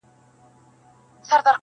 o په سپورږمۍ كي زمــــا پــيــــر دى.